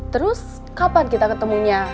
terus kapan kita ketemunya